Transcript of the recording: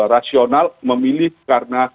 rasional memilih karena